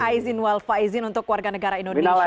minal aidin wa'alaikumsalam untuk warga negara indonesia